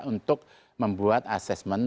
untuk membuat assessment